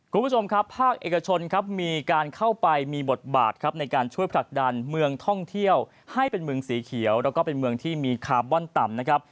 คุณผู้ชมครับภาคเอกชนครับมีการเข้าไปมีบทบาทครับในการช่วยผลักดันเมืองท่องเที่ยวให้เป็นเมืองสีเขียวแล้วก็เป็นเมืองที่มีคาร์บอนต่ำนะครับ